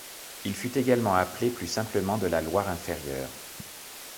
Il fut également appelé plus simplement de la Loire-Inférieure.